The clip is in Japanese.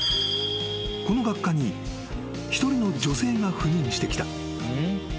［この学科に一人の女性が赴任してきた］